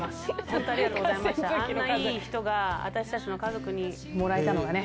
あんないい人が私たちの家族にもらえたのがね。